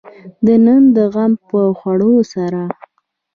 د نن د غم په خوړلو سره.